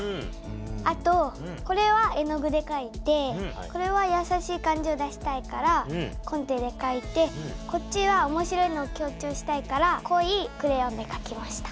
あとこれは絵の具でかいてこれはやさしい感じを出したいからコンテでかいてこっちは面白いのを強調したいからこいクレヨンでかきました。